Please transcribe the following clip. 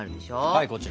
はいこちら。